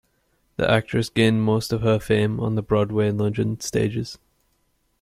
The actress gained most of her fame on the Broadway and London stages.